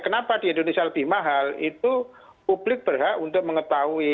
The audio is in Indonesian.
kenapa di indonesia lebih mahal itu publik berhak untuk mengetahui